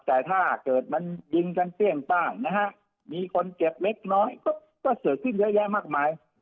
แต่ถ้าเกิดมันยิงกันเปรี้ยงบ้างนะฮะมีคนเจ็บเล็กน้อยก็เกิดขึ้นเยอะแยะมากมาย